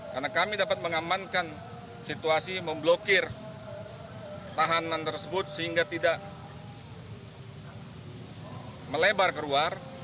karena kami dapat mengamankan situasi memblokir tahanan tersebut sehingga tidak melebar keluar